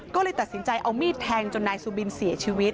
ก็เลยตัดสินใจเอามีดแทงจนนายสุบินเสียชีวิต